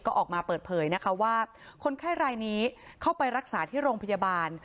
ก็ออกมาเปิดเผยนะคะว่าคนไข้รายนี้เข้าไปรักษาที่โรงพยาบาล